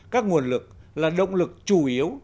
các nguồn lực là động lực chủ yếu